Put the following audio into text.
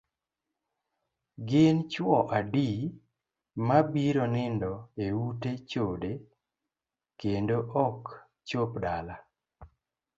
Gin chuo adi mabiro nindo e ute chode kendo ok chop dala?